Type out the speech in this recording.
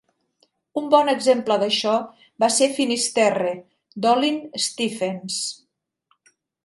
Un bon exemple d'això va ser "Finisterre", d'Olin Stephens.